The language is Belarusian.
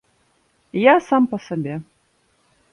Я сам па сабе.